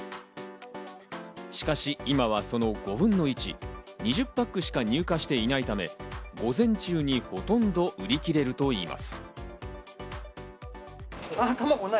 しかし今はその５分の１、２０パックしか入荷していないため、午前中に、ほとんど売り切れるといいます。